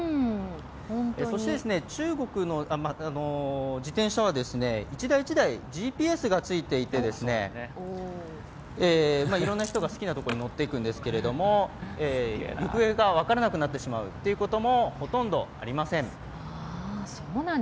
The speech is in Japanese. そして中国の自転車は１台１台ＧＰＳがついていていろんな人が好きなところに乗っていくんですけれども行方がわからなくなってしまうこともほとんどありません。